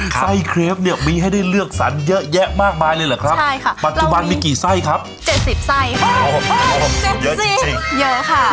ไส้เครปเนี่ยมีให้ได้เลือกสรรเยอะแยะมากมายเลยเหรอครับใช่ค่ะปัจจุบันมีกี่ไส้ครับ๗๐ไส้ค่ะเยอะจริงเยอะค่ะ